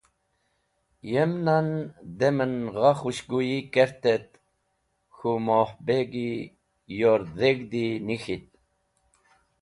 Yem nan dem en gha khũshguyi kert et k̃hũ Moh Begi yor dheg̃hdi nik̃ht.